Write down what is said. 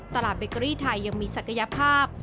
เบเกอรี่ไทยยังมีศักยภาพ